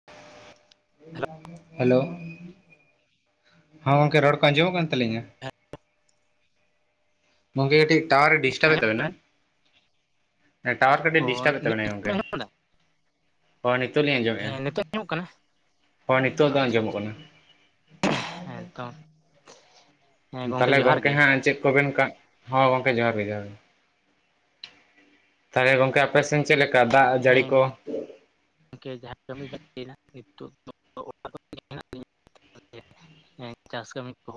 [unintelligible] Hello ᱦᱚᱸ ᱜᱚᱢᱠᱮ ᱨᱚᱲ ᱠᱚ ᱟᱸᱡᱚᱢᱚᱜ ᱠᱟᱱ ᱛᱟᱹᱞᱤᱧᱟ? ᱜᱚᱢᱠᱮ ᱠᱟᱹᱴᱤᱡ ᱴᱟᱣᱟᱨ ᱮ ᱚ ᱰᱤᱥᱴᱟᱨᱵ ᱮᱫ ᱛᱟᱵᱮᱱᱟ ᱴᱟᱣᱟᱨ ᱠᱟᱹᱴᱤᱡ ᱰᱤᱥᱴᱟᱨᱵ ᱮᱫ ᱛᱟᱵᱮᱱᱟ ᱜᱚᱝᱠᱮ ᱦᱳᱭ ᱱᱤᱛᱚᱜ ᱞᱤᱧ ᱟᱸᱡᱚᱢᱮᱫᱼᱟ ᱦᱮᱸ ᱱᱤᱛᱚᱜ ᱟᱸᱡᱚᱢᱚᱜ ᱠᱟᱱᱟ ᱦᱳᱭ ᱱᱤᱛᱳᱜ ᱫᱚ ᱟᱸᱡᱚᱢᱚᱜ ᱠᱟᱱᱟ ᱦᱮᱸᱛᱚ ᱦᱮᱸ ᱛᱟᱦᱚᱞᱮ ᱜᱚᱝᱠᱮ ᱡᱚᱦᱟᱨ ᱜᱮ ᱦᱟᱸᱜ ᱪᱮᱫ ᱠᱚᱵᱮᱱ ᱠᱟᱜ... ᱦᱚ ᱜᱚᱢᱠᱮ ᱡᱚᱦᱟᱨ ᱜᱮ ᱡᱚᱦᱟᱨ ᱛᱟᱦᱚᱞᱮ ᱜᱚᱢᱠᱮ ᱟᱯᱮᱥᱮᱱ ᱪᱮᱫ ᱞᱮᱠᱟ ᱫᱟᱜ ᱡᱟᱹᱲᱤ ᱠᱚ? ᱜᱚᱢᱠᱮ ᱡᱟᱦᱟᱸ ᱠᱟᱹᱢᱤ ᱞᱟᱭᱫᱟ ᱱᱤᱛᱚᱜ ᱫᱚ ᱚᱲᱟᱜ ᱨᱮᱜᱮᱢ ᱦᱮᱱᱟᱜ ᱞᱤᱧᱟᱹ [unintelligible] ᱪᱟᱥ ᱠᱟᱹᱢᱤ ᱠᱚ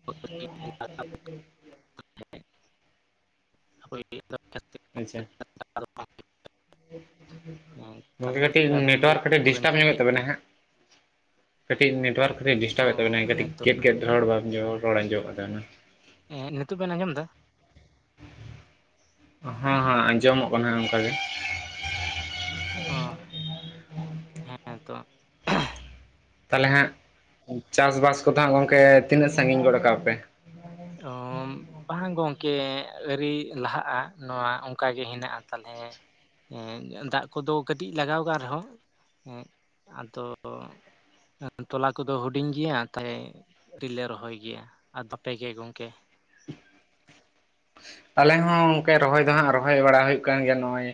[unintelligible] [unintelligible] ᱟᱪᱪᱷᱟ [unintelligible] ᱛᱟᱦᱚᱞᱮ ᱜᱚᱝᱠᱮ ᱠᱟᱹᱴᱤᱡ ᱟᱵᱮᱱ ᱜᱮ ᱱᱮᱴᱚᱣᱟᱨᱠ ᱪᱮᱫ ᱠᱟᱹᱴᱤᱡ ᱠᱚᱵᱮᱱ ᱰᱤᱥᱴᱟᱵᱽ ᱧᱚᱜᱮᱫ ᱪᱤᱠᱟᱹᱭᱮᱫᱟ ᱛᱟᱵᱮᱱᱟ ᱦᱟᱸᱜ ᱠᱟᱹᱴᱤᱡ ᱱᱮᱴᱣᱟᱨᱠ ᱠᱟᱹᱴᱤᱡ ᱚ ᱰᱤᱥᱴᱟᱵᱮᱫ ᱛᱟᱵᱮᱱᱟᱭ ᱠᱟᱹᱴᱤᱡ ᱦᱮᱸᱛᱚ ᱜᱮᱫ ᱜᱮᱫ ᱨᱚᱲ ᱵᱟᱢ ᱟᱸᱡᱚᱢ.. ᱨᱚᱲ ᱟᱸᱡᱚᱢᱚᱜ ᱛᱟᱵᱮᱱᱟ ᱦᱮᱸ ᱱᱤᱛᱚᱜ ᱵᱮᱱ ᱟᱸᱡᱚᱢ ᱮᱫᱟ? ᱦᱮᱸ ᱦᱮᱸ ᱟᱸᱡᱚᱢᱚᱜ ᱠᱟᱱᱟᱜ ᱚᱱᱠᱟ ᱜᱮ ᱚ ᱦᱮᱸ ᱛᱚ ᱛᱟᱦᱚᱞᱮ ᱦᱟᱸᱜ ᱪᱟᱥ-ᱵᱟᱥ ᱠᱚᱫᱚ ᱦᱟᱸᱜ ᱜᱚᱝᱠᱮ ᱛᱤᱱᱟᱹᱜ ᱥᱟᱜᱤᱧ ᱜᱚᱫ ᱟᱠᱟᱜ ᱯᱮ? ᱚᱸᱻ ᱵᱟᱝ ᱜᱚᱝᱠᱮ ᱟᱹᱨᱤ ᱞᱟᱦᱟᱜᱼᱟ ᱱᱚᱣᱟ ᱚᱱᱠᱟᱜᱮ ᱦᱮᱱᱟᱜᱼᱟ ᱛᱟᱞᱦᱮ ᱦᱮᱸ ᱫᱟᱜ ᱠᱚᱫᱚ ᱠᱟᱹᱴᱤᱡ ᱞᱟᱜᱟᱣ ᱠᱟᱱᱟᱱ ᱨᱮᱦᱚᱸ ᱦᱮᱸ ᱟᱫᱚ ᱛᱚᱞᱟ ᱠᱚᱫᱚ ᱦᱩᱰᱤᱧ ᱜᱮᱭᱟ ᱛᱟᱭ ᱟᱣᱨᱤᱞᱮ ᱨᱚᱦᱚᱭ ᱜᱮᱭᱟ ᱟᱨ ᱯᱮᱜᱮ ᱜᱚᱢᱠᱮ ᱟᱞᱮ ᱦᱚᱸ ᱜᱚᱢᱠᱮ ᱨᱚᱦᱚᱭ ᱫᱚ ᱦᱟᱸᱜ ᱨᱚᱦᱚᱭ ᱵᱟᱲᱟ ᱦᱩᱭᱩᱜ ᱠᱟᱱ ᱜᱮᱭᱟ ᱱᱚᱜᱼᱚᱭ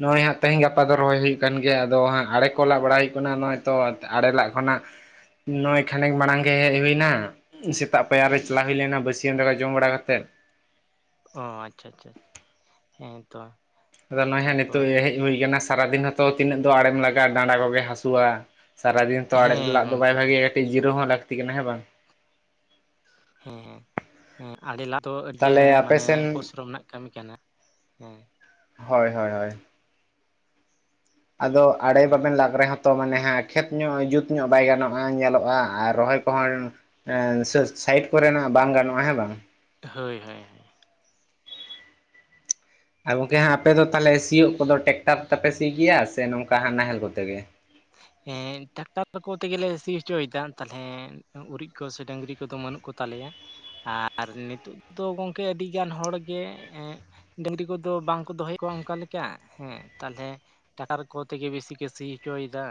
ᱱᱚᱜᱼᱚᱭ ᱦᱟᱸᱜ ᱛᱮᱦᱮᱧ ᱜᱟᱯᱟ ᱫᱚ ᱨᱚᱦᱚᱭ ᱦᱩᱭᱩᱜ ᱠᱟᱱ ᱜᱮᱭᱟ ᱟᱫᱚ ᱦᱟᱸᱜ ᱟᱲᱮ ᱠᱚ ᱞᱟᱜ ᱵᱟᱲᱟᱭ ᱦᱩᱭᱩᱜ ᱠᱟᱱᱟ ᱱᱚᱜᱼᱚᱭ ᱛᱚ ᱟᱲᱮ ᱞᱟᱜ ᱠᱷᱚᱱᱟᱜ ᱱᱚᱜᱼᱚᱭ ᱠᱷᱟᱱᱰᱮᱝ ᱢᱟᱲᱟᱝ ᱜᱮ ᱦᱮᱡ ᱦᱩᱭ ᱮᱱᱟ ᱥᱮᱛᱟᱜ ᱯᱟᱭᱟᱨ ᱨᱮ ᱪᱟᱞᱟᱣ ᱦᱩᱭ ᱞᱮᱱᱟ ᱵᱟᱹᱥᱭᱟᱹᱢ ᱫᱟᱠᱟ ᱡᱚᱢ ᱵᱟᱲᱟ ᱠᱟᱛᱮᱫ ᱚ ᱟᱪᱪᱷᱟ ᱟᱪᱷᱟ ᱦᱮᱸ ᱛᱚ ᱟᱫᱚ ᱱᱚᱜᱼᱚᱭ ᱦᱟᱸᱜ ᱱᱤᱛᱚᱜ ᱛᱟᱨᱯᱚᱨ ᱜᱮ ᱦᱮᱡ ᱦᱩᱭ ᱟᱠᱟᱱᱟ ᱥᱟᱨᱟᱫᱤᱱ ᱦᱚᱸᱛᱚ ᱛᱤᱱᱟᱹᱜ ᱫᱚ ᱟᱲᱮᱢ ᱞᱟᱜᱟᱜᱼᱟ ᱰᱟᱸᱰᱟ ᱠᱚᱜᱮ ᱦᱟᱹᱥᱩᱼᱟ ᱥᱟᱨᱟᱫᱤᱱ ᱛᱚ ᱟᱲᱮ ᱦᱮᱸ ᱞᱟᱜ ᱫᱚ ᱵᱟᱭ ᱜᱚᱝᱠᱮ ᱦᱮᱸ ᱵᱷᱟᱜᱮᱭᱟ ᱠᱟᱹᱴᱤᱡ ᱡᱤᱨᱟᱹᱣ ᱦᱚᱸ ᱞᱟᱹᱠᱛᱤ ᱠᱟᱱᱟ ᱦᱮᱸ ᱵᱟᱝ ᱦᱮᱸ ᱦᱮᱸ ᱟᱲᱮ ᱞᱟᱜ ᱫᱚ ᱟᱹᱰᱤ ᱜᱮ ᱛᱟᱦᱚᱞᱮ ᱟᱯᱮ ᱢᱟᱱᱮ ᱥᱮᱱ ᱯᱚᱨᱤᱥᱨᱚᱢ ᱨᱮᱱᱟᱜ ᱠᱟᱹᱢᱤ ᱠᱟᱱᱟ ᱦᱮᱸ ᱦᱚᱭ ᱦᱚᱭ ᱟᱫᱚ ᱟᱲᱮ ᱦᱮᱸ ᱵᱟᱵᱮᱱ ᱞᱟᱜᱽ ᱨᱮᱦᱚᱸ ᱛᱚ ᱢᱟᱱᱮ ᱦᱟᱸᱜ ᱠᱷᱮᱛ ᱧᱚᱜ ᱡᱩᱛ ᱧᱚᱜ ᱵᱟᱭ ᱜᱟᱱᱚᱜᱼᱟ ᱧᱮᱞᱚᱜᱼᱟ ᱟᱨ ᱨᱚᱦᱚᱭ ᱠᱚᱦᱚᱸ ᱮ ᱥᱟ. ᱥᱟᱭᱤᱴ ᱠᱚᱨᱮᱱᱟᱜ ᱵᱟᱝ ᱜᱟᱱᱚᱜᱼᱟ ᱦᱮᱸ ᱵᱟᱝ ᱦᱳᱭ ᱦᱳᱭ ᱟᱨ ᱜᱚᱝᱠᱮ ᱦᱟᱜ ᱟᱯᱮ ᱫᱚ ᱛᱟᱦᱚᱞᱮ ᱥᱤᱭᱳᱜ ᱠᱚᱫᱚ ᱴᱮᱠᱴᱟᱨ ᱛᱮᱯᱮ ᱥᱤᱭ ᱜᱮᱭᱟ ᱥᱮ ᱱᱚᱝᱠᱟᱜ ᱱᱟᱦᱮᱞ ᱠᱚᱛᱮ ᱜᱮ ᱮᱸ ᱴᱟᱠᱴᱟᱨ ᱠᱚ ᱛᱮᱜᱮᱞᱮ ᱥᱤ ᱦᱚᱪᱚᱭ ᱫᱟ ᱛᱟᱞᱦᱮ ᱩᱨᱤᱡ ᱠᱚ ᱥᱮ ᱰᱟᱹᱝᱨᱤ ᱠᱚᱫᱚ ᱵᱟᱹᱱᱩᱜ ᱠᱚ ᱛᱟᱞᱮᱭᱟ ᱟᱨ ᱱᱤᱛᱚᱜ ᱫᱚ ᱜᱚᱢᱠᱮ ᱟᱹᱰᱤᱜᱟᱱ ᱦᱚᱲ ᱜᱮ ᱰᱟᱹᱝᱨᱤ ᱠᱚᱫᱚ ᱵᱟᱝᱠᱚ ᱫᱚᱦᱚᱭᱮᱫ ᱠᱚᱣᱟ ᱚᱱᱠᱟ ᱞᱮᱠᱟ ᱦᱮᱸ ᱛᱟᱞᱦᱮ ᱴᱟᱠᱟᱨ ᱠᱚ ᱛᱮᱜᱮ ᱵᱮᱥᱤ ᱠᱚ ᱥᱤ ᱪᱚᱭᱫᱟ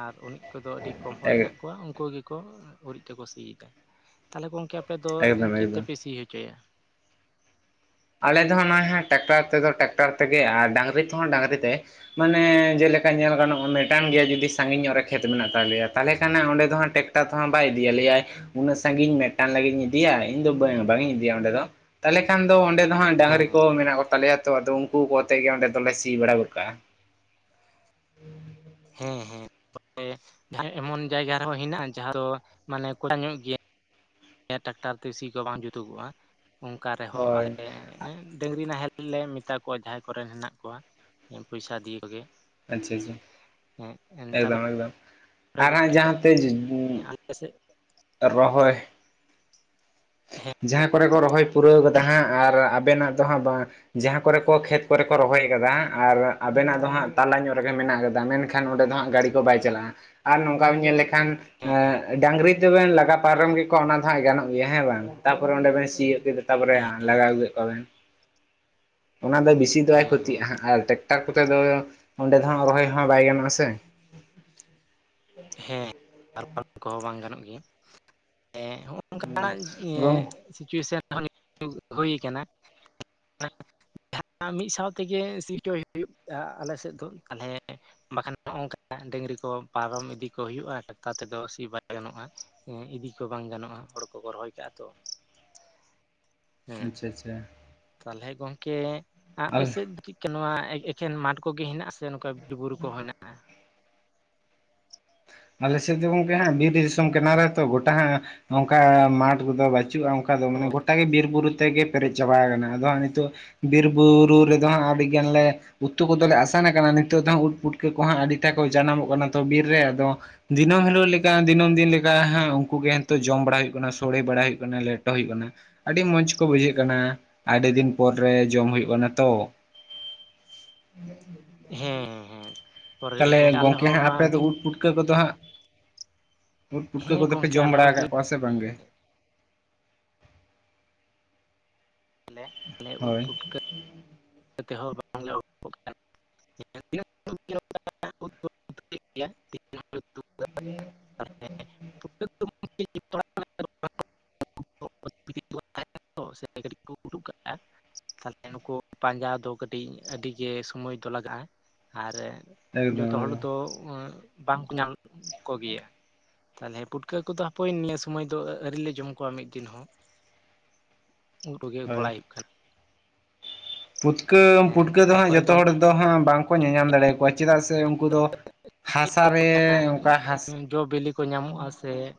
ᱟᱨ ᱩᱨᱤᱡ ᱠᱚᱫᱚ ᱟᱹᱰᱤ ᱠᱚᱢ ᱦᱚᱲ ᱦᱮᱱᱟᱜ ᱠᱚᱣᱟ ᱩᱱᱠᱩ ᱜᱮ ᱠᱚ ᱩᱨᱤᱡ ᱛᱮᱠᱚ ᱥᱤᱫᱟ ᱛᱟᱦᱚᱞᱮ ᱜᱚᱝᱠᱮ ᱟᱯᱮ ᱫᱚ ᱮᱠᱫᱚᱢ ᱪᱮᱫ ᱮᱠᱫᱚᱢ ᱛᱮᱯᱮ ᱥᱤ ᱦᱚᱪᱚᱭᱟ ᱟᱞᱮ ᱫᱚ ᱦᱟᱸᱜ ᱱᱚᱜᱼᱚᱭ ᱦᱟᱸᱜ ᱴᱟᱠᱴᱟᱨ ᱛᱮᱫᱚ ᱴᱟᱠᱴᱟᱨ ᱛᱮᱜᱮ ᱟᱨ ᱰᱟᱝᱨᱤ ᱛᱮᱦᱚᱸ ᱰᱟᱝᱨᱤ ᱛᱮ ᱢᱟᱱᱮ ᱡᱮᱞᱮᱠᱟ ᱧᱮᱞ ᱜᱟᱱᱚᱜᱼᱟ ᱢᱮᱴᱟᱱ ᱜᱮᱭᱟ ᱡᱩᱫᱤ ᱥᱟᱺᱜᱤᱧ ᱧᱚᱜ ᱨᱮ ᱠᱷᱮᱛ ᱢᱮᱱᱟᱜ ᱛᱟᱞᱮᱭᱟ ᱛᱟᱦᱚᱞᱮ ᱠᱷᱟᱱᱮ ᱚᱸᱰᱮ ᱫᱚ ᱦᱟᱸᱜ ᱴᱮᱠ ᱴᱟ ᱛᱮᱦᱚᱸ ᱵᱟᱭ ᱤᱫᱤᱭᱟ ᱞᱟᱹᱭᱟᱭ ᱩᱱᱟᱹᱜ ᱥᱟᱺᱜᱤᱧ ᱢᱤᱫᱴᱟᱝ ᱞᱟᱹᱜᱤᱫ ᱤᱧ ᱤᱫᱤᱭᱟ ᱤᱧ ᱫᱚ ᱵᱟᱝ ᱵᱟᱝᱤᱧ ᱤᱫᱤᱭᱟ ᱚᱸᱰᱮ ᱫᱚ ᱛᱟᱦᱚᱞᱮ ᱠᱷᱟᱱ ᱫᱚ ᱚᱸᱰᱮ ᱚᱜ-ᱚᱭ ᱰᱟᱝᱨᱤ ᱦᱮᱸ ᱠᱚ ᱢᱮᱱᱟᱜ ᱠᱚᱛᱟᱞᱮᱭᱟ ᱛᱚ ᱟᱫᱚ ᱩᱱᱠᱩ ᱠᱚᱛᱮ ᱜᱮ ᱚᱸᱰᱮ ᱫᱚᱞᱮ ᱥᱤ ᱵᱟᱲᱟ ᱜᱚᱫ ᱠᱟᱜᱼᱟ ᱦᱮᱸ ᱦᱮᱸ ᱮᱢᱚᱱ ᱡᱟᱭᱜᱟ ᱨᱮᱦᱚᱸ ᱦᱮᱱᱟᱜᱼᱟ ᱡᱟᱦᱟᱸ ᱫᱚ ᱢᱟᱱᱮ ᱠᱚᱪᱟ ᱧᱚᱜ ᱜᱮᱭᱟ ᱴᱟᱠᱴᱟᱨ ᱛᱮ ᱥᱤ ᱠᱚ ᱵᱟᱝ ᱡᱩᱛᱩᱜᱚᱜᱼᱟ ᱚᱱᱠᱟ ᱨᱮᱦᱚᱸ ᱦᱳᱭ ᱟᱞᱮ ᱮ ᱰᱟᱹᱝᱨᱤ ᱱᱟᱦᱮᱞ ᱞᱮ ᱢᱮᱛᱟ ᱠᱚᱣᱟ ᱡᱟᱦᱟᱸᱭ ᱠᱚᱨᱮᱱ ᱦᱮᱱᱟᱜ ᱠᱚᱣᱟ ᱯᱚᱭᱥᱟ ᱫᱤᱭᱮ ᱠᱚᱜᱮ ᱟᱪᱪᱷᱟ ᱟᱪᱪᱷᱟ ᱦᱮᱸ ᱮᱠᱫᱚᱢ ᱛᱟᱯᱚᱨᱮ ᱮᱠᱫᱚᱢ ᱟᱨ ᱦᱟᱸᱜ ᱡᱟᱦᱟᱸᱛᱮ ᱟᱞᱮ ᱥᱮᱫ ᱨᱚᱦᱚᱭ ᱦᱮᱸ ᱡᱟᱦᱟᱸ ᱠᱚᱨᱮ ᱠᱚ ᱨᱚᱦᱚᱭ ᱯᱩᱨᱟᱹᱣ ᱠᱟᱫᱟ ᱦᱟᱸᱜ ᱟᱨ ᱟᱵᱮᱱᱟᱜ ᱫᱚ ᱦᱟᱸᱜ ᱵᱟ ᱡᱟᱦᱟᱸ ᱠᱚᱨᱮ ᱠᱚ ᱠᱷᱮᱛ ᱠᱚᱨᱮ ᱠᱚ ᱨᱚᱦᱚᱭ ᱠᱟᱫᱟ ᱟᱨ ᱟᱵᱮᱱᱟᱜ ᱫᱚ ᱦᱟᱸᱜ ᱛᱟᱞᱟ ᱧᱚᱜ ᱨᱮᱜᱮ ᱢᱮᱱᱟᱜ ᱠᱟᱫᱟ ᱢᱮᱱ ᱮᱱᱠᱷᱟᱱ ᱚᱸᱰᱮ ᱫᱚ ᱦᱟᱸᱜ ᱜᱟᱹᱰᱤ ᱠᱚ ᱵᱟᱭ ᱪᱟᱞᱟᱜᱼᱟ ᱟᱨ ᱱᱚᱝᱠᱟᱢ ᱧᱮᱞ ᱞᱮᱠᱷᱟᱱ ᱰᱟᱝᱨᱤ ᱛᱮᱵᱮᱱ ᱞᱟᱜᱟ ᱯᱟᱨᱚᱢ ᱠᱮᱫᱠᱚᱣᱟ ᱚᱱᱟ ᱫᱚ ᱦᱟᱸᱜ ᱜᱟᱱᱚᱜ ᱜᱮᱭᱟ ᱦᱮᱸ ᱵᱟᱝ ᱛᱟᱯᱚᱨᱮ ᱚᱸᱰᱮ ᱵᱮᱱ ᱥᱤᱭᱳᱜ ᱠᱮᱫᱟ ᱛᱟᱯᱚᱨᱮ ᱦᱮᱸ ᱦᱮᱸ ᱞᱟᱜᱟ ᱟᱹᱜᱩ ᱠᱮᱫ ᱠᱚᱣᱟᱵᱮᱱ ᱚᱱᱟ ᱫᱚ ᱵᱮᱥᱤ ᱫᱚ ᱵᱟᱭ ᱦᱮᱸ ᱠᱷᱚᱛᱤᱜᱼᱟ ᱦᱮᱸ ᱦᱟᱜ ᱟᱨ ᱴᱟᱠᱴᱟᱨ ᱠᱚᱛᱮ ᱫᱚ ᱚᱸᱰᱮ ᱫᱚᱦᱟᱸᱜ ᱨᱚᱦᱚᱭ ᱦᱚᱸ ᱵᱟᱭ ᱜᱟᱱᱚᱜᱼᱟ ᱥᱮ ᱦᱮᱸ ᱟᱨ ᱯᱟᱨᱚᱢ ᱠᱚᱦᱚᱸ ᱵᱟᱝ ᱜᱟᱱᱚᱜ ᱜᱮᱭᱟ ᱮ ᱦᱚᱜ ᱚᱱᱠᱟᱱᱟᱜ ᱮ ᱜᱚᱝ ᱥᱤᱪᱩᱭᱮᱥᱚᱱ [unintelligible] ᱦᱩᱭ ᱠᱟᱱᱟ ᱡᱟᱦᱟᱸ ᱢᱤᱫ ᱥᱟᱶ ᱛᱮᱜᱮ ᱥᱤ ᱪᱚᱭ ᱦᱩᱭᱩᱜ ᱟ ᱟᱞᱮᱥᱮᱫ ᱫᱚ ᱛᱟᱦᱚᱞᱮ ᱵᱟᱠᱷᱟᱱ ᱱᱚᱜᱝᱠᱟ ᱰᱟᱹᱝᱨᱤ ᱠᱚ ᱯᱟᱨᱚᱢ ᱤᱫᱤ ᱠᱚ ᱦᱩᱭᱩᱜᱼᱟ ᱴᱟᱠᱴᱟᱨ ᱛᱮᱫᱚ ᱥᱤ ᱵᱟᱭ ᱜᱟᱱᱚᱜᱼᱟ ᱮ ᱤᱫᱤ ᱠᱚ ᱵᱟᱝ ᱜᱟᱱᱚᱜᱼᱟ ᱦᱳᱲᱳ ᱠᱚᱠᱚ ᱨᱚᱦᱚᱭ ᱠᱟᱜᱼᱟ ᱛᱚ ᱟᱪᱪᱷᱟ ᱟᱪᱪᱷᱟ ᱛᱟᱦᱚᱞᱮ ᱜᱚᱝᱠᱮ ᱟᱞ ᱟᱯᱮᱥᱮᱫ ᱫᱚ ᱠᱤ ᱱᱚᱣᱟ ᱮᱠᱷᱮᱱ ᱢᱟᱴᱷ ᱠᱚ ᱜᱮ ᱦᱮᱱᱟᱜ-ᱟ ᱥᱮ ᱪᱮ ᱱᱚᱝᱠᱟ ᱵᱤᱨ ᱵᱩᱨᱩ ᱠᱚ ᱦᱮᱱᱟᱜ-ᱟ ᱟᱞᱮ ᱥᱮᱫ ᱫᱚ ᱜᱚᱝᱠᱮ ᱦᱟᱜ ᱵᱤᱨ ᱫᱤᱥᱚᱢ ᱠᱟᱱᱟ ᱞᱮ ᱛᱚ ᱜᱚᱴᱟ ᱦᱟᱸᱜ ᱚᱱᱠᱟ ᱢᱟᱴᱷ ᱫᱚ ᱵᱟᱹᱪᱩᱜᱼᱟ ᱚᱱᱼᱼ ᱚᱠᱟ ᱫᱚ ᱚ ᱢᱟᱱᱮ ᱜᱚᱴᱟᱜ ᱜᱮ ᱵᱤᱨ ᱵᱩᱨᱩ ᱛᱮᱜᱮ ᱯᱮᱡ ᱪᱟᱵᱟ ᱟᱠᱟᱱᱟ ᱟᱫᱚ ᱦᱟᱜ ᱱᱤᱛᱚᱜ ᱵᱤᱨ ᱵᱩᱨᱩ ᱨᱮᱫᱚ ᱦᱟᱸᱜ ᱟᱹᱰᱤᱜᱟᱱ ᱞᱮ ᱩᱛᱩ ᱠᱚᱫᱚ ᱞᱮ ᱟᱥᱟᱱ ᱟᱠᱟᱱᱟ ᱱᱤᱛᱚᱜ ᱫᱚ ᱩᱫ ᱯᱩᱴᱠᱟᱹ ᱠᱚᱦᱚᱸ ᱟᱹᱰᱤ ᱴᱟᱠᱚ ᱡᱟᱱᱟᱢᱚᱜ ᱠᱟᱱᱟ ᱛᱚ ᱵᱤᱨ ᱨᱮ ᱟᱫᱚ ᱫᱤᱹ ᱦᱤᱞᱳᱜ ᱞᱮᱠᱟ ᱫᱤᱹᱢ ᱫᱤᱱ ᱞᱮᱠᱟ ᱦᱮᱸ ᱩᱱᱠᱩ ᱜᱮᱚ ᱡᱚᱢ ᱵᱟᱲᱟ ᱦᱩᱭᱩᱜ ᱠᱟᱱᱟ ᱥᱳᱲᱮ ᱵᱟᱲᱟ ᱦᱩᱭᱩᱜ ᱠᱟᱱᱟ ᱞᱮᱴᱚ ᱦᱩᱭᱩᱜ ᱠᱟᱱᱟ ᱾ ᱟᱹᱰᱤ ᱢᱚᱸᱡᱽ ᱠᱚ ᱵᱩᱡᱷᱟᱹᱜ ᱠᱟᱱᱟ ᱟᱹᱰᱤ ᱫᱤᱱ ᱯᱚᱨ ᱨᱮ ᱡᱚᱢ ᱦᱩᱭᱩᱜ ᱠᱟᱱᱟ ᱛᱚ ᱦᱮᱸ ᱦᱮᱸ ᱛᱟᱯᱚᱨᱮ ᱛᱟᱦᱞᱮ ᱜᱚᱝᱠᱮ ᱟᱞᱮ ᱜᱚᱢᱠᱮ ᱦᱚᱸ ᱦᱟᱸᱜ ᱟᱯᱮ ᱱᱚᱣᱟ ᱫᱚ ᱩᱫ ᱯᱩᱴᱠᱟᱹ ᱠᱚ ᱫᱚ ᱦᱟᱸᱜ ᱩᱫ ᱯᱩᱴᱠᱟᱹ ᱠᱚ ᱦᱮᱸ ᱫᱚ ᱯᱮ ᱜᱚᱝᱠᱮ ᱡᱚᱢ ᱟᱞᱮ ᱵᱟᱲᱟ ᱦᱚᱸ ᱟᱠᱟᱫ ᱵᱤᱨ ᱠᱚᱣᱟ ᱥᱮ ᱵᱟᱝ ᱜᱮ ᱟᱞᱮ ᱟᱞᱮ ᱩᱫ ᱦᱳᱭ ᱯᱩᱴᱠᱟᱹ ᱛᱮᱦᱚᱸ [unintelligible] [unintelligible] [inaudible] [unintelligible] [inaudible] [inaudible] ᱥᱮ ᱠᱟᱹᱴᱤᱡ ᱠᱚ ᱩᱰᱩᱠ ᱠᱟᱜᱼᱟ ᱛᱟᱦᱚᱞᱮ ᱱᱩᱠᱩ ᱯᱟᱸᱡᱟ ᱫᱚ ᱠᱟᱹᱴᱤᱡ ᱟᱹᱰᱤ ᱜᱮ ᱥᱚᱢᱚᱭ ᱛᱚ ᱞᱟᱜᱟᱜᱼᱟ ᱟᱨ ᱮᱠᱫᱚᱢ ᱡᱚᱛᱚ ᱦᱚᱲ ᱮᱠᱫᱚᱢ ᱫᱚ ᱟᱸ ᱵᱟᱝᱠᱚ ᱧᱟᱢ ᱠᱚᱜᱮᱭᱟ ᱛᱟᱦᱚᱞᱮ ᱯᱩᱴᱠᱟᱹ ᱠᱚ ᱫᱚ ᱦᱟᱯᱮᱭ ᱱᱤᱭᱟᱹ ᱥᱚᱢᱚᱭ ᱫᱚ ᱟᱹᱣᱨᱤᱮ ᱡᱚᱢ ᱠᱚᱣᱟ ᱢᱤᱫ ᱫᱤᱱ ᱦᱚᱸ ᱾ [inaudible] [inaudible] ᱜᱮ ᱦᱳᱭ ᱵᱟᱲᱟᱭ ᱦᱩᱭᱩᱜ ᱠᱷᱟᱱ ᱾ ᱯᱩᱴᱠᱟᱹ ᱦᱮᱸ ᱯᱩᱴᱠᱟᱹ ᱫᱚ ᱦᱟᱸᱜ ᱛᱟᱯᱚᱨᱮ ᱡᱚᱛᱚ ᱦᱚᱲ ᱜᱚᱝᱠᱮ ᱫᱚ ᱦᱟᱸᱜ ᱵᱟᱝ ᱵᱟ ᱠᱚ ᱧᱮᱧᱟᱢ ᱫᱟᱲᱮ ᱟᱠᱚᱣᱟ ᱪᱮᱫᱟᱜ ᱥᱮ ᱩᱱᱠᱩ ᱫᱚ ᱦᱟᱥᱟ ᱨᱮ ᱚᱱᱠᱟ ᱦᱟᱥᱟ ᱡᱚ ᱵᱤᱞᱤ ᱠᱚ ᱧᱟᱢᱚᱜᱼᱟ ᱥᱮ [inaudible]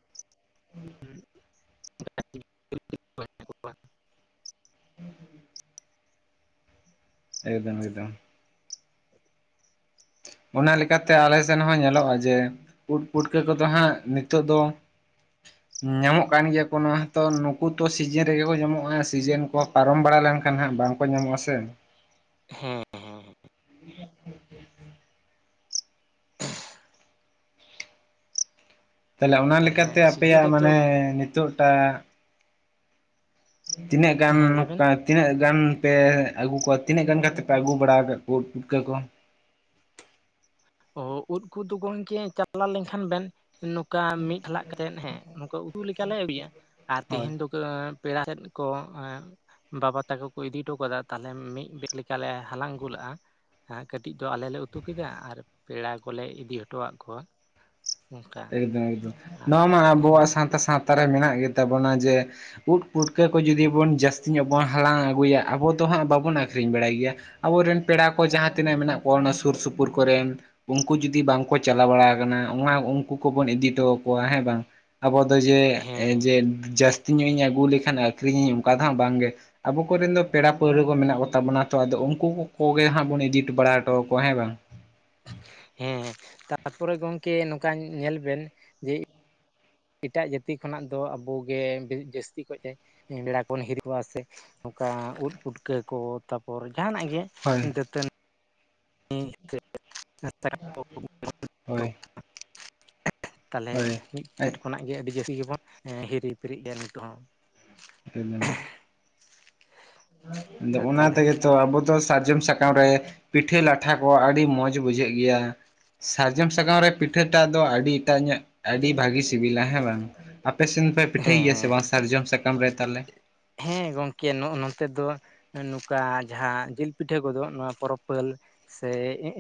[unintelligible] [inaudible] ᱮᱠᱫᱚᱢ ᱮᱠᱫᱚᱢ ᱚᱱᱟ ᱞᱮᱠᱟᱛᱮ ᱟᱞᱮ ᱥᱮᱱ ᱦᱚᱸ ᱧᱮᱞᱚᱜᱼᱟ ᱡᱮ ᱩᱫ ᱯᱩᱴᱠᱟᱹ ᱠᱚ ᱫᱚ ᱦᱟᱸᱜ ᱱᱤᱛᱚᱜ ᱫᱚ ᱧᱟᱢᱚᱜ ᱠᱟᱱ ᱜᱮᱭᱟ ᱠᱚ ᱱᱚᱣᱟ ᱛᱚ ᱱᱩᱠᱩ ᱛᱚ ᱥᱤᱡᱤᱱ ᱨᱮ ᱜᱮ ᱠᱚ ᱧᱟᱢᱚᱜᱼᱟ ᱥᱤᱡᱮᱱ ᱠᱚ ᱯᱟᱨᱚᱢ ᱵᱟᱲᱟ ᱞᱮᱱᱠᱷᱟᱱ ᱦᱟᱸᱜ ᱵᱟᱝ ᱠᱚ ᱧᱟᱢᱚᱜᱼᱟ ᱥᱮ ᱾ ᱦᱮᱸ ᱦᱮᱸ [inaudible] ᱛᱟᱦᱚᱞᱮ ᱚᱱᱟ ᱞᱮᱠᱟ ᱛᱮ ᱛᱟᱦᱚᱞᱮ ᱥᱤᱡᱤᱱ ᱟᱯᱮᱭᱟᱜ ᱨᱮᱫᱚ ᱢᱟᱱᱮ ᱱᱤᱛᱳᱜ ᱴᱟᱜ ᱛᱤᱱᱟᱹᱜ ᱜᱟᱱ ᱦᱮᱸ ᱞᱟᱹᱭ ᱵᱮᱱ ᱱᱚᱠᱟ ᱛᱤᱱᱟᱹᱜ ᱜᱟᱱ ᱯᱮ ᱟᱹᱜᱩ ᱠᱚᱣᱟ ᱛᱤᱱᱟᱹᱜ ᱜᱟᱱ ᱠᱟᱛᱮᱫ ᱯᱮ ᱟᱹᱜᱩ ᱵᱟᱲᱟ ᱟᱠᱟᱫ ᱠᱚᱣᱟ ᱩᱫ ᱯᱩᱴᱠᱟᱹ ᱠᱚ? ᱚ ᱩᱫ ᱠᱚᱫᱚ ᱜᱚᱢᱠᱮ ᱪᱟᱞᱟᱣ ᱞᱮᱱᱠᱷᱟᱱ ᱵᱮᱱ ᱱᱩ ᱝᱠᱟ ᱢᱤᱫ ᱞᱟᱜ ᱠᱟᱛᱮᱫ ᱦᱮᱸ ᱱᱚᱝᱠᱟ ᱩᱛᱩ ᱞᱮᱠᱟᱞᱮ ᱟᱹᱜᱩᱭᱟ ᱟᱨ ᱦᱳᱭ ᱛᱮᱦᱤᱧ ᱫᱚ ᱯᱮᱲᱟ ᱥᱮᱫ ᱠᱚ ᱮᱸ ᱵᱟᱵᱟ ᱛᱟᱠᱚ ᱠᱚ ᱤᱫᱤ ᱦᱚᱴᱚ ᱠᱟᱫᱟ ᱛᱟᱦᱚᱞᱮ ᱢᱤᱫ ᱵᱮᱜᱽ ᱞᱮᱠᱟ ᱞᱮ ᱦᱟᱞᱟᱝ ᱟᱹᱜᱩ ᱞᱟᱜ-ᱟ ᱠᱟᱹᱴᱤᱡ ᱫᱚ ᱟᱞᱮᱞ ᱞᱮ ᱩᱛᱩ ᱠᱮᱫᱟ ᱟᱨ ᱯᱮᱲᱟ ᱠᱚ ᱞᱮ ᱤᱫᱤ ᱦᱚᱴᱚ ᱟᱫ ᱠᱚᱣᱟ ᱾ ᱮᱠᱫᱚᱢ ᱮᱠᱫᱚᱢ ᱱᱚᱣᱟ ᱢᱟ ᱟᱵᱚᱣᱟᱜ ᱦᱮᱸ ᱥᱟᱱᱛᱟᱲ ᱥᱟᱶᱛᱟ ᱨᱮ ᱢᱮᱱᱟᱜ ᱜᱮᱛᱟ ᱵᱚᱱᱟ ᱡᱮ ᱩᱫ ᱯᱩᱴᱠᱟᱹ ᱠᱚ ᱡᱩᱫᱤ ᱵᱚᱱ ᱡᱟᱹᱥᱛᱤ ᱧᱚᱜ ᱵᱚᱱ ᱦᱟᱞᱟᱝ ᱟᱹᱜᱩᱭᱟ ᱟᱵᱚ ᱫᱚ ᱦᱟᱸᱜ ᱵᱟᱵᱚᱱ ᱟᱹᱠᱷᱨᱤᱧ ᱵᱟᱲᱟᱭ ᱜᱮᱭᱟ ᱾ ᱟᱵᱚᱨᱮᱱ ᱯᱮᱲᱟ ᱠᱚ ᱡᱟᱦᱟᱸ ᱛᱤᱱᱟᱹᱜ ᱢᱮᱱᱟᱜ ᱠᱚᱣᱟ ᱚᱱᱟ ᱥᱩᱨ ᱥᱩᱯᱩᱨ ᱠᱚᱨᱮᱱ ᱩᱱᱠᱩ ᱡᱩᱫᱤ ᱵᱟᱝ ᱠᱚ ᱪᱟᱞᱟᱣ ᱵᱟᱲᱟ ᱟᱠᱟᱱᱟ ᱚᱱᱟ ᱩᱱ ᱩᱱᱠᱩ ᱠᱚᱵᱚᱱ ᱤᱫᱤ ᱦᱚᱴᱚ ᱟᱠᱚᱣᱟ ᱦᱮᱸ ᱵᱟᱝ ᱟᱵᱚ ᱫᱚ ᱡᱮ ᱦᱮᱸ ᱡᱮ ᱡᱟᱹᱥ ᱟᱹᱛᱤ ᱧᱚᱜ ᱤᱧ ᱟᱹᱜᱩ ᱞᱮᱠᱷᱟᱱ ᱟᱹᱠᱷᱨᱤᱧ ᱤᱧ ᱚᱱᱠᱟ ᱫᱚ ᱦᱟᱜ ᱵᱟᱝ ᱜᱮ ᱟᱵᱚ ᱠᱚᱨᱮᱱ ᱫᱚ ᱯᱮᱲᱟ ᱯᱟᱹᱲᱦᱟᱹ ᱠᱚ ᱢᱮᱱᱟᱜ ᱠᱚᱛᱟ ᱵᱚᱱᱟ ᱛᱚ ᱟᱫᱚ ᱩᱱᱠᱩ ᱠᱚᱜᱮ ᱦᱟᱸᱜ ᱵᱚᱱ ᱤᱫᱤ ᱦᱚᱴᱚ ᱵᱟᱲᱟ ᱦᱚᱴᱚ ᱟᱠᱚᱣᱟ ᱦᱮᱸ ᱵᱟᱝ? ᱦᱮᱸ ᱛᱟᱯᱚᱨᱮ ᱜᱚᱝᱠᱮ ᱱᱚᱝᱠᱟ ᱧᱮᱞ ᱵᱮᱱ ᱡᱮ ᱮᱴᱟᱜ ᱡᱟᱹᱛᱤ ᱠᱷᱚᱱᱟᱜ ᱫᱚ ᱟᱵᱚ ᱜᱮ ᱡᱟᱹᱥᱛᱤ ᱠᱷᱚᱱ ᱮ ᱵᱮᱲᱟ ᱠᱚᱵᱚᱱ ᱦᱤᱨᱤ ᱠᱚᱣᱟ ᱥᱮ ᱚᱠᱟ ᱩᱫ ᱯᱩᱴᱠᱟᱹ ᱠᱚ ᱛᱟᱨᱯᱚᱨ ᱡᱟᱦᱟᱱᱟᱜ ᱜᱮ ᱦᱳᱭ ᱫᱟᱹᱛᱟᱹᱱ ᱦᱳᱭ [unintelligible] ᱛᱟᱞᱦᱮ ᱦᱳᱭ ᱢᱤᱫ ᱯᱷᱮᱰ ᱠᱷᱚᱱᱟᱜ ᱜᱮ ᱟᱹᱰᱤ ᱡᱟᱹᱥᱛᱤ ᱜᱮᱵᱚᱱ ᱦᱤᱨᱤ ᱦᱤᱯᱨᱤ ᱞᱮᱭᱟ ᱱᱤᱛᱳᱜ ᱦᱚᱸ ᱾ [unintelligible] ᱟᱫᱚ ᱚᱱᱟ ᱛᱟᱦᱚᱞᱮ ᱛᱮᱜᱮ ᱟᱵᱚ ᱫᱚ ᱥᱟᱨᱡᱚᱢ ᱥᱟᱠᱟᱢ ᱨᱮ ᱯᱤᱴᱷᱟᱹ ᱞᱟᱴᱷᱟ ᱠᱚ ᱟᱹᱰᱤ ᱢᱚᱸᱡᱽ ᱵᱩᱡᱷᱟᱹᱜ ᱜᱮᱭᱟ ᱾ ᱥᱟᱨᱡᱚᱢ ᱥᱟᱠᱟᱢ ᱨᱮ ᱯᱤᱴᱷᱟᱹᱴᱟᱜ ᱫᱚ ᱟᱹᱰᱤ ᱮᱴᱟᱜ ᱧᱟᱹᱜ ᱟᱹᱰᱤ ᱵᱷᱟᱹᱜᱤ ᱥᱤᱵᱤᱞᱟ ᱦᱮᱸ ᱵᱟᱝ ᱾ ᱟᱯᱮ ᱥᱮᱱ ᱯᱮ ᱯᱤᱴᱷᱟᱹᱭ ᱦᱮᱸ ᱜᱮᱭᱟ ᱥᱮ ᱦᱮᱸ ᱵᱟᱝ ᱥᱟᱨᱡᱚᱢ ᱥᱟᱠᱟᱢ ᱨᱮ ᱛᱟᱦᱞᱮ? ᱦᱮᱸ ᱜᱚᱝᱠᱮ ᱱᱚᱜᱼ ᱱᱚᱛᱮ ᱫᱚ ᱱᱚᱝᱠᱟ ᱡᱟᱦᱟᱸ ᱡᱤᱞ ᱯᱤᱴᱷᱟᱹ ᱠᱚᱫᱚ ᱱᱚᱣᱟ ᱯᱚᱨᱚᱵᱽ ᱯᱟᱹᱞ ᱥᱮ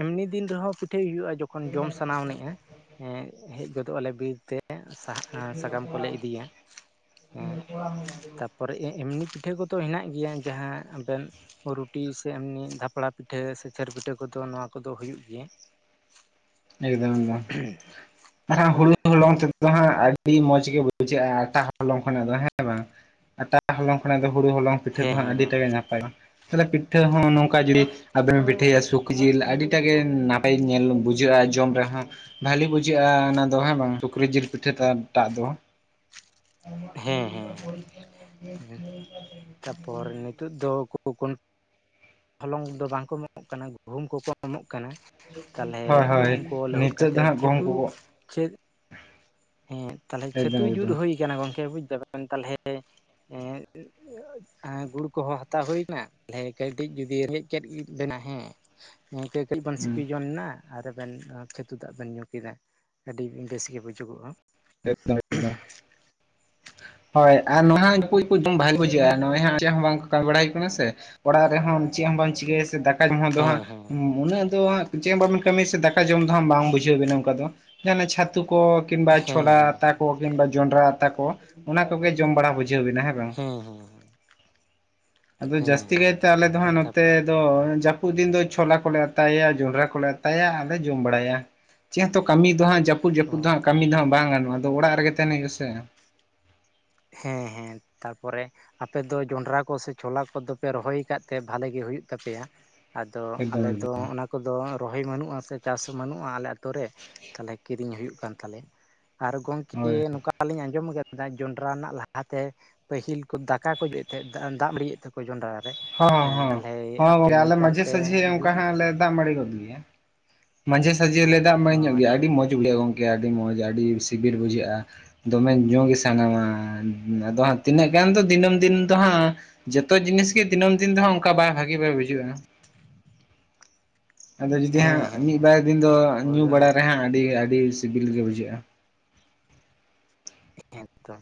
ᱮᱢᱱᱤ ᱫᱤᱱ ᱨᱮᱦᱚᱸ ᱯᱤᱴᱷᱟᱹᱭ ᱦᱩᱭᱩᱜᱼᱟ, ᱡᱚᱠᱷᱚᱱ ᱠᱷᱚᱱ ᱡᱚᱢ ᱥᱟᱱᱟ ᱮᱱᱤᱦᱼᱟ ᱮ ᱦᱮᱡ ᱜᱚᱫᱚᱜ ᱟᱞᱮ ᱵᱤᱨ ᱛᱮ [unintelligible] ᱥᱟᱠᱟᱢ ᱠᱚ ᱞᱮ ᱤᱫᱤᱭᱟ ᱮᱸ ᱚᱲᱟᱜ ᱦᱚ ᱢᱮᱱᱟ-ᱟ ᱚᱱᱰᱮᱜᱤ ᱛᱟᱯᱚᱨᱮ ᱮᱢᱱᱤ ᱯᱤᱴᱷᱟᱹ ᱠᱚᱫᱚ ᱦᱮᱱᱟᱜ ᱜᱮᱭᱟ ᱡᱟᱦᱟᱸ ᱟᱵᱮᱱ ᱨᱩᱴᱤ ᱥᱮ ᱮᱢᱱᱤ ᱫᱷᱟᱯᱲᱟ ᱯᱤᱴᱷᱟᱹ ᱥᱮ ᱪᱟᱹᱨ ᱯᱤᱴᱷᱟᱹ ᱠᱚᱫᱚ ᱱᱚᱣᱟ ᱠᱚᱫᱚ ᱦᱩᱭᱩᱜ ᱜᱮᱭᱟ᱾ ᱮᱠᱫᱚᱢ ᱮᱠᱫᱚᱢ, ᱟᱨ ᱦᱚ ᱦᱩᱲᱩ ᱦᱳᱞᱳᱸᱜᱽ ᱛᱮᱫ ᱫᱚ ᱦᱟᱸᱜ ᱟᱹᱰᱤ ᱢᱚᱸᱡᱽ ᱜᱮ ᱵᱩᱡᱷᱟᱹᱜᱼᱟ, ᱟᱴᱟ ᱦᱚᱞᱚᱝ ᱠᱷᱚᱱᱟᱜ ᱫᱚ ᱦᱮᱸ ᱵᱟᱝ, ᱟᱴᱟ ᱦᱚᱞᱚᱝ ᱠᱷᱚᱱ ᱚᱱᱟ ᱫᱚ ᱦᱩᱲᱩ ᱦᱚᱞᱚᱝ ᱯᱤᱴᱷᱟᱹ ᱫᱚ ᱦᱮᱸ ᱦᱟᱸᱜ ᱟᱹᱰᱤ ᱴᱟᱜᱮ ᱱᱟᱯᱟᱭᱟᱜᱼᱟ ᱾ ᱛᱟᱦᱚᱞᱮ ᱯᱤᱴᱷᱟᱹ ᱦᱚᱸ ᱱᱚᱝᱠᱟ ᱡᱩᱫᱤ ᱟᱵᱮᱱ ᱯᱤᱴᱷᱟᱹᱭᱟ ᱥᱩᱠᱨᱤ ᱡᱤᱞ ᱟᱹᱰᱤᱴᱟᱜ ᱜᱮ ᱱᱟᱯᱟᱭ ᱧᱮᱞ ᱵᱩᱡ ᱵᱩᱡᱷᱟᱹᱜᱼᱟ ᱡᱚᱢ ᱨᱮᱦᱚᱸ ᱵᱷᱟᱞᱤ ᱵᱩᱡᱷᱟᱹᱜᱼᱟ ᱾ ᱚᱱᱟ ᱫᱚ ᱦᱮᱸ ᱵᱟᱝ ᱥᱩᱠᱨᱤ ᱡᱤᱞ ᱯᱤᱴᱷᱟᱹᱴᱟᱜ ᱫᱚ, ᱦᱮᱸ ᱦᱮᱸ ᱦᱮᱸ [unintelligible] ᱛᱟᱯᱚᱨ ᱱᱤᱛᱚᱜ ᱫᱚ ᱦᱚᱞᱚᱝ ᱫᱚ ᱵᱟᱝ ᱠᱚ ᱮᱢᱚᱜ ᱠᱟᱱᱟ ᱜᱩᱦᱩᱢ ᱠᱚᱠᱚ ᱮᱢᱚᱜ ᱠᱟᱱᱟ᱾ ᱛᱟᱦᱞᱮ ᱦᱳᱭ ᱦᱳᱭ ᱜᱩᱦᱩᱢ ᱠᱚ ᱞᱟᱹᱦᱩᱫ ᱱᱤᱛᱚᱜ ᱫᱚ ᱠᱟᱛᱮᱫ ᱦᱟᱸᱜ ᱜᱚᱦᱚᱢ ᱪᱷᱟᱛᱩ, ᱠᱚᱠᱚ ᱪᱮᱫ ᱦᱮᱸ ᱛᱟᱦᱚᱞᱮ ᱠᱷᱮᱛᱩ ᱮᱠᱫᱚᱢ ᱡᱩᱫ ᱮᱠᱫᱚᱢ ᱦᱩᱭ ᱟᱠᱟᱱᱟ ᱜᱚᱝᱠᱮ ᱵᱩᱡ ᱫᱟᱵᱤᱱ ᱛᱟᱞᱦᱮ [inaudible] ᱜᱩᱲ ᱠᱚᱦᱚᱸ ᱦᱟᱛᱟᱣ ᱦᱩᱭᱱᱟ, ᱛᱟᱦᱮ ᱠᱟᱹᱴᱤᱡ ᱡᱩᱫᱤ ᱨᱮᱡ ᱠᱮᱫ ᱵᱮᱱᱟ, ᱦᱮᱸ ᱜᱚᱝᱠᱮᱹ ᱠᱟᱹᱡᱽ ᱵᱚᱱ ᱥᱤᱯᱤ ᱡᱚᱝ ᱱᱟ ᱟᱨ ᱟᱵᱮᱱ ᱪᱷᱟᱛᱩ ᱫᱟᱜ ᱵᱮᱱ ᱧᱩ ᱠᱮᱫᱟ, ᱟᱹᱰᱤ ᱵᱮᱥ ᱜᱮ ᱵᱩᱡᱩᱜᱚᱜᱼᱟ ᱾ ᱮᱠᱫᱚᱢ ᱮᱠᱫᱚᱢ ᱦᱳᱭ ᱟᱨ ᱱᱚᱣᱟ ᱵᱷᱟᱜᱮ ᱦᱮᱸ ᱵᱩᱡᱷᱟᱹᱜᱼᱟ, ᱱᱚᱜᱚᱭ ᱪᱮᱫ ᱦᱚᱸ ᱵᱟᱝᱠᱚ ᱠᱟᱹᱢᱤ ᱵᱟᱲᱟ ᱠᱟᱱᱟ ᱥᱮ, ᱚᱲᱟᱜ ᱨᱮᱦᱚᱸ ᱪᱮᱫ ᱦᱚᱸ ᱵᱟᱝ ᱪᱤᱠᱟᱹᱭᱟ ᱥᱮ ᱫᱟᱠᱟ ᱾ ᱫᱚ ᱦᱮᱸ ᱦᱟᱸᱜ ᱦᱮᱸ ᱩᱱᱟᱹᱜ ᱫᱚ ᱦᱟᱸᱜ ᱪᱮᱫ ᱵᱟᱵᱮᱱ ᱠᱟᱹᱢᱤᱭᱟ ᱥᱮ ᱫᱟᱠᱟ ᱡᱚᱢ ᱫᱚ ᱦᱟᱸᱜ ᱵᱟᱝ ᱵᱩᱡᱷᱟᱹᱣ ᱵᱤᱱᱟ ᱚᱱᱠᱟ ᱫᱚ, ᱡᱟᱦᱱᱟᱜ ᱪᱷᱟᱛᱩ ᱠᱚ ᱠᱤᱝᱵᱟ ᱦᱮᱸ ᱪᱷᱚᱞᱟ ᱦᱮᱸ ᱟᱛᱟ ᱠᱚ ᱠᱤᱢᱵᱟ ᱡᱚᱱᱰᱨᱟ ᱟᱛᱟ ᱠᱚ ᱚᱱᱟ ᱠᱚᱜᱮ ᱡᱚᱢ ᱵᱟᱲᱟ ᱵᱩᱡᱷᱟᱹᱣ ᱵᱤᱱᱟ ᱦᱮᱸ ᱵᱟ ᱟᱫᱚ ᱦᱮᱸ ᱦᱮᱸ ᱡᱟᱹᱥᱛᱤ ᱠᱟᱭᱛᱮ ᱟᱞᱮ ᱫᱚ ᱦᱮᱸ ᱦᱟᱸᱜ ᱱᱚᱛᱮ, ᱛᱟᱯᱚᱨ ᱫᱚ ᱡᱟᱹᱯᱩᱫ ᱫᱤᱱ ᱫᱚ ᱪᱷᱳᱞᱟ ᱠᱚᱞᱮ ᱟᱛᱟᱭᱟ, ᱡᱚᱸᱰᱨᱟ ᱠᱚᱞᱮ ᱟᱛᱟᱭᱟ, ᱟᱨᱞᱮ ᱡᱚᱢ ᱵᱟᱲᱟᱭᱟ ᱾ ᱪᱮᱫ ᱦᱚᱛᱚ ᱠᱟᱹᱢᱤ ᱫᱚ ᱦᱟᱸᱜ ᱡᱟᱹᱯᱩᱫ ᱚ ᱡᱟᱹᱯᱩᱫ ᱫᱚ ᱦᱟᱸᱜ ᱠᱟᱹᱢᱤ ᱫᱚ ᱦᱟᱸᱜ ᱵᱟᱝ ᱜᱟᱱᱚᱜ ᱟᱫᱚ ᱚᱲᱟᱜ ᱨᱮᱜᱮ ᱛᱟᱦᱮᱱ ᱦᱩᱭᱩᱜᱼᱟ ᱥᱮ᱾ ᱦᱮᱸ ᱦᱮᱸ ᱛᱟᱯᱚᱨᱮ, ᱟᱯᱮ ᱫᱚ ᱡᱚᱱᱰᱨᱟ ᱠᱚ ᱥᱮ ᱪᱷᱳᱞᱟ ᱠᱚᱫᱚᱯᱮ ᱨᱚᱦᱚᱭ ᱟᱠᱟᱫ ᱛᱮ ᱵᱷᱟᱜᱮ ᱜᱮ ᱦᱩᱭᱩᱜ ᱛᱟᱯᱮᱭᱟ ᱾ ᱟᱫᱚ ᱮᱠᱫᱚᱢ ᱟᱞᱮᱫᱚ ᱮᱠᱫᱚᱢ ᱚᱱᱟ ᱠᱚᱫᱚ ᱨᱚᱦᱚᱭ ᱵᱟᱹᱱᱩᱜᱼᱟ ᱥᱮ ᱪᱟᱥ ᱦᱚᱸ ᱵᱟᱹᱱᱩᱜᱼᱟ ᱟᱞᱮ ᱟᱛᱳ ᱨᱮ, ᱛᱟᱦᱚᱞᱮ ᱠᱤᱨᱤᱧ ᱦᱩᱭᱩᱜ ᱠᱟᱱ ᱛᱟᱞᱮᱭᱟ᱾ ᱟᱨ ᱜᱚᱝᱠᱮ ᱦᱳᱭ ᱱᱚᱝᱠᱟ ᱟᱞᱤᱧ ᱟᱸᱡᱚᱢ ᱟᱠᱟᱫ ᱫᱟᱜ ᱡᱳᱱ ᱡᱚᱸᱰᱨᱟ ᱨᱮᱱᱟᱜ ᱞᱟᱦᱟᱛᱮ ᱯᱟᱹᱦᱤᱞ ᱠᱚ ᱫᱟᱠᱟ ᱠᱚᱮᱫ ᱛᱟᱦᱮᱸᱜ ᱫᱟᱜ ᱢᱟᱹᱲᱤᱭᱮᱫ ᱛᱟᱦᱮᱸᱠᱚᱣᱟ ᱡᱚᱸᱰᱨᱟ ᱨᱮ ᱦᱚᱸ ᱾ ᱦᱮᱸ ᱦᱚᱸ ᱛᱟᱞᱦᱮ ᱦᱚᱸ ᱟᱯᱮ ᱜᱚᱝᱠᱮ ᱟᱞᱮ ᱱᱮᱛᱟᱨ ᱢᱟᱡᱷᱮ ᱯᱮ ᱥᱟᱡᱷᱮ ᱚᱱᱠᱟ ᱡᱩᱛ ᱦᱟᱸᱜ ᱮᱫᱟ ᱞᱮ ᱥᱮ, ᱫᱟᱜ ᱢᱟᱹᱲᱤ ᱜᱚᱫ ᱜᱮᱭᱟ ᱢᱟᱡᱷᱮ ᱥᱟᱡᱷᱮ ᱞᱮ ᱫᱟᱜ ᱢᱮ ᱚ ᱧᱚᱜ ᱜᱮᱭᱟ ᱟᱪᱪᱷᱟ ᱟᱹᱰᱤ ᱟᱪᱪᱷᱟ ᱢᱚᱸᱡᱽ ᱵᱩᱡᱷᱟᱹᱜᱟ ᱜᱚᱝᱠᱮ ᱟᱹᱰᱤ ᱢᱚᱸᱡᱽ ᱟᱹᱰᱤ ᱥᱤᱵᱤᱞ ᱵᱩᱡᱷᱟᱹᱜᱼᱟ ᱫᱚᱢᱮ ᱧᱩ ᱜᱮ ᱥᱟᱱᱟᱢᱟ ᱟᱫᱚ ᱦᱟᱸᱜ ᱛᱤᱱᱟᱹᱜ ᱜᱟᱱ ᱫᱚ ᱫᱤᱱᱟᱹᱢ ᱫᱤᱱ ᱫᱚ ᱦᱟᱸᱜ ᱡᱚᱛᱚ ᱡᱤᱱᱤᱥ ᱜᱮ ᱫᱤᱱᱟᱹᱢ ᱫᱤᱱ ᱫᱚ ᱚᱱᱠᱟ ᱵᱟᱭ ᱵᱷᱟᱹᱜᱤ ᱵᱟᱭ ᱵᱩᱡᱷᱟᱹᱜᱼᱟ ᱾ [inaudible] ᱟᱫᱚ ᱡᱩᱫᱤ ᱦᱟᱸᱜ ᱦᱮᱸ ᱦᱮᱸ ᱢᱤᱫ ᱦᱮᱸ ᱵᱟᱨ ᱫᱤᱱ ᱫᱚ ᱧᱩ ᱵᱟᱲᱟ ᱨᱮᱦᱟᱸᱜ ᱟᱹᱰᱤ ᱟᱹᱰᱤ ᱥᱤᱵᱤᱞ ᱜᱮ ᱵᱩᱡᱷᱟᱹᱜᱼᱟ ᱾ ᱦᱮᱸᱛᱚ,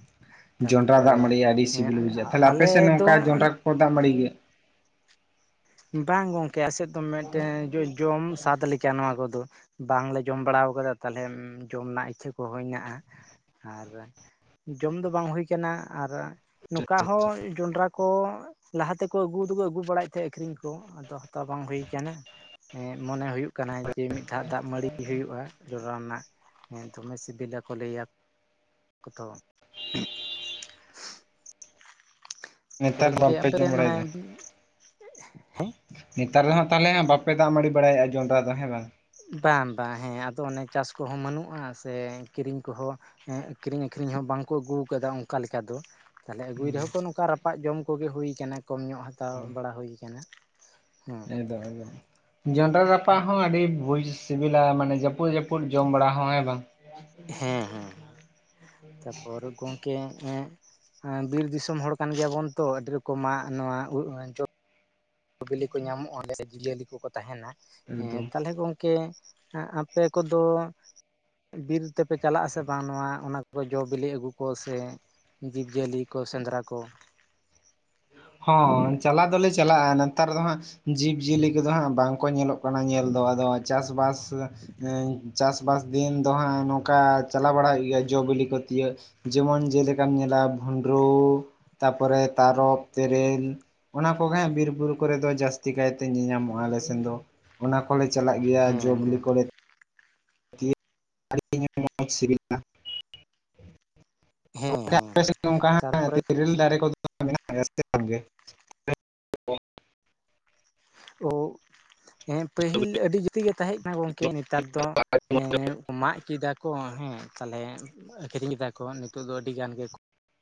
ᱡᱚᱸᱰᱨᱟ ᱫᱟᱜ ᱛᱟᱨᱯᱚᱨᱮ ᱢᱟᱹᱲᱤ ᱟᱹᱰᱤ ᱦᱮᱸ ᱥᱤᱵᱤᱞ ᱵᱩᱡᱷᱟᱹᱜᱼᱟ ᱛᱟᱦᱞᱮ ᱟᱞᱮ ᱟᱯᱮᱥᱮᱫ ᱫᱚ ᱱᱚᱝᱠᱟ ᱡᱚᱸᱰᱨᱟ ᱠᱚ ᱠᱚ ᱫᱟᱜ ᱢᱟᱹᱲᱤ ᱜᱮᱭᱟ? ᱵᱟᱝ ᱜᱚᱝᱠᱮ ᱟᱥᱮᱫ ᱫᱚ ᱢᱤᱫᱴᱮᱱ ᱡᱚ ᱡᱚᱢ ᱥᱟᱫ ᱞᱮᱠᱟ ᱱᱚᱣᱟ ᱠᱚᱫᱚ ᱾ ᱵᱟᱝᱞᱮ ᱡᱚᱢ ᱵᱟᱲᱟ ᱟᱠᱟᱫᱟ ᱛᱟᱦᱞᱮ ᱡᱚᱢ ᱨᱮᱱᱟᱜ ᱤᱪᱪᱷᱟᱹ ᱠᱚ ᱦᱮᱸᱱᱟᱼᱟ ᱾ ᱟᱨ ᱡᱚᱢ ᱫᱚ ᱵᱟᱝ ᱦᱩᱭ ᱠᱟᱱᱟ ᱟᱨ ᱱᱚᱝᱠᱟ ᱦᱚ ᱡᱚᱱᱰᱨᱟ ᱠᱚ ᱞᱟᱦᱟᱛᱮᱠᱚ ᱟᱹᱜᱩ ᱫᱚᱠᱚ ᱟᱹᱜᱩ ᱵᱟᱲᱟᱭᱮᱫ ᱛᱟᱦᱮᱸ ᱟᱠᱷᱨᱤᱧ ᱠᱚ ᱟᱫᱚ ᱦᱟᱛᱟᱣ ᱵᱟᱝ ᱦᱩᱭ ᱠᱟᱱᱟ ᱾ ᱮᱸᱜ ᱢᱚᱱᱮ ᱦᱩᱭᱩᱜ ᱠᱟᱱᱟ ᱡᱮ ᱢᱤᱫ ᱫᱷᱟᱣ ᱫᱟᱜ ᱢᱟᱹᱲᱤ ᱦᱩᱭᱩᱜᱼᱟ ᱡᱚᱱᱰᱨᱟ ᱨᱮᱱᱟᱜ ᱾ ᱦᱮᱸ ᱫᱚᱢᱮ ᱥᱤᱵᱤᱞᱟ ᱠᱚ ᱞᱟᱹᱭᱟ ᱠᱚᱛᱚ ᱛᱟᱯᱚᱨᱮ ᱱᱮᱛᱟᱨ ᱜᱚᱝᱠᱮ ᱵᱟᱯᱮ ᱟᱯᱮ ᱡᱚᱢ ᱥᱮᱫ ᱚᱱᱮ ᱵᱟᱲᱟᱭᱮᱫᱟ? ᱱᱮᱛᱟᱨ ᱫᱚ ᱦᱟᱸᱜ ᱛᱟᱦᱚᱞᱮᱜ ᱵᱟᱯᱮ ᱫᱟᱜ ᱢᱟᱹᱲᱤ ᱵᱟᱲᱟᱭᱮᱜᱼᱟ ᱡᱚᱸᱰᱨᱟ ᱫᱚ ᱦᱮᱸ ᱵᱟᱝ? ᱵᱟᱝ ᱵᱟᱝ ᱦᱮᱸ ᱟᱫᱚ ᱚᱱᱮ ᱪᱟᱥ ᱠᱚᱦᱚᱸ ᱵᱟᱹᱱᱩᱜᱼᱟ, ᱥᱮ ᱠᱤᱨᱤᱧ ᱠᱚᱦᱚᱸ ᱦᱮᱸ ᱠᱤᱨᱤᱧ ᱟᱠᱷᱨᱤᱧ ᱦᱚᱸ ᱵᱟᱝᱠᱚ ᱟᱹᱜᱩᱭ ᱠᱟᱫᱟ ᱚᱱᱠᱟ ᱞᱮᱠᱟ ᱫᱚ ᱾ ᱛᱟᱦᱚᱞᱮ ᱟᱹᱜᱩᱭ ᱨᱮᱦᱚᱸ ᱦᱳᱭ ᱠᱚ ᱱᱚᱝᱠᱟ ᱨᱟᱯᱟᱜ ᱡᱚᱢ ᱠᱚᱜᱮ ᱦᱩᱭᱠᱟᱱᱟ ᱠᱚᱢ ᱧᱚᱜ ᱦᱟᱛᱟᱣ ᱦᱳᱭ ᱵᱟᱲᱟ ᱦᱩᱭ ᱟᱠᱟᱱᱟ [unintelligible] ᱡᱚᱱᱰᱨᱟ ᱨᱟᱯᱟᱜ ᱦᱚᱸ ᱟᱹᱰᱤ ᱵᱷᱩᱡᱽ ᱥᱤᱵᱤᱞᱟ ᱢᱟᱱᱮ ᱡᱟᱹᱯᱩᱫ ᱡᱟᱹᱯᱩᱫ ᱩᱨ ᱡᱚᱢ ᱵᱟᱲᱟ ᱦᱮᱸ ᱵᱟᱝ ᱦᱮᱸ ᱦᱮᱸ ᱛᱟᱯᱚᱨ ᱜᱚᱝᱠᱮ ᱦᱮᱸ ᱵᱤᱨ ᱫᱤᱥᱚᱢ ᱦᱚᱲ ᱠᱟᱱ ᱜᱮᱭᱟ ᱵᱚᱱ ᱛᱚ ᱟᱰᱤᱨᱚᱠᱚᱢᱟᱜ ᱱᱚᱣᱟ [unintelligible] ᱵᱤᱞᱤ ᱠᱚ ᱧᱟᱢᱚᱜᱼᱟ [unintelligible] ᱡᱤᱭᱟᱹᱞᱤ ᱠᱚᱠᱚ ᱛᱟᱦᱮᱱᱟ ᱦᱮᱸ ᱮᱠᱫᱚᱢ ᱛᱟᱦᱚᱞᱮ ᱩᱱᱠᱩ ᱠᱮ ᱟᱯᱮ ᱠᱚᱫᱚ ᱵᱤᱨ ᱛᱮᱯᱮ ᱪᱟᱞᱟᱜ ᱟᱥᱮ ᱵᱟᱝ ᱱᱚᱣᱟ ᱚᱱᱟ ᱠᱚ ᱡᱚ ᱵᱤᱞᱤ ᱟᱹᱜᱩ ᱠᱚ ᱥᱮ ᱡᱤᱵᱽ ᱡᱤᱭᱟᱹᱞᱤ ᱠᱚ ᱥᱮᱸᱫᱽᱨᱟ ᱠᱚ ᱦᱚᱸ ᱪᱟᱞᱟᱣ ᱫᱚᱞᱮ ᱪᱟᱞᱟᱜᱼᱟ ᱱᱮᱛᱟᱨ ᱫᱚ ᱦᱟᱸᱜ ᱡᱤᱵᱽ ᱡᱤᱭᱟᱹᱞᱤ ᱠᱚᱫᱚ ᱦᱟᱸᱜ ᱵᱟᱝᱠᱚ ᱧᱮᱞᱚᱜ ᱠᱟᱱᱟ ᱧᱮᱞ ᱫᱚ ᱟᱫᱚ ᱪᱟᱥᱵᱟᱥ ᱪᱟᱥ ᱪᱟᱥᱵᱟᱥ ᱫᱤᱱ ᱫᱚ ᱦᱟᱸᱜ ᱱᱚᱝᱠᱟ ᱪᱟᱞᱟᱣ ᱵᱟᱲᱟ ᱦᱩᱭᱩᱜ ᱜᱮᱭᱟ ᱡᱚᱼ ᱵᱤᱞᱤ ᱠᱚ ᱛᱤᱭᱳᱜ ᱡᱮᱢᱚᱱ ᱡᱮᱞᱮᱠᱟᱢ ᱧᱮᱞᱟ ᱵᱷᱩᱸᱰᱨᱩ ᱛᱟᱯᱚᱨᱮ ᱛᱟᱨᱚᱵ ᱛᱮᱨᱮᱞ ᱚᱱᱟ ᱠᱚᱜᱮ ᱦᱟᱸᱜ ᱵᱤᱨᱼᱵᱩᱨᱩ ᱠᱚᱨᱮ ᱫᱚ ᱡᱟᱹᱥᱛᱤ ᱠᱟᱭᱛᱮ ᱧᱮᱧᱟᱢᱚᱜᱼᱟ ᱟᱞᱮ ᱥᱮᱱ ᱫᱚ ᱚᱱᱟ ᱠᱚᱞᱮ ᱪᱟᱞᱟᱜ ᱜᱮᱭᱟ ᱡᱚ ᱦᱮᱸ ᱵᱤᱞᱤ ᱦᱮᱸ ᱠᱚᱨᱮ ᱟᱹᱰᱤᱧ ᱢᱚᱡᱽ ᱥᱤᱵᱤᱞᱟ ᱦᱮᱸ ᱜᱚᱢᱠᱮ ᱦᱮᱸ ᱟᱯᱮ ᱥᱮᱫ ᱱᱚᱝ ᱠᱟ ᱦᱟᱸᱜ ᱛᱟᱨᱯᱚᱨᱮ [unintelligible] ᱫᱟᱨᱮ ᱠᱚᱫᱚ ᱢᱮᱱᱟᱜᱼᱟ ᱜᱮ ᱵᱟᱝᱜᱮ ᱚ ᱦᱮᱸ ᱯᱟᱹᱦᱤᱞ ᱟᱹᱰᱤ ᱡᱩᱛᱤ ᱜᱮ ᱛᱟᱦᱮᱸ ᱠᱟᱱᱟ ᱜᱚᱝᱠᱮ ᱱᱮᱛᱟᱨ ᱫᱚ ᱮ ᱢᱟᱜ ᱠᱮᱫᱟ ᱠᱚᱼᱼ ᱠᱚ ᱦᱮᱸ ᱛᱟᱦᱚᱞᱮ ᱟᱹᱠᱷᱨᱤᱧ ᱠᱮᱫᱟ ᱠᱚ ᱱᱤᱛᱚᱜ ᱫᱚ ᱟᱹᱰᱤ ᱜᱟᱱ ᱜᱮᱠᱚ